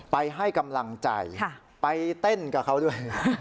ไปให้กำลังใจไปเต้นกับเขาด้วยนะ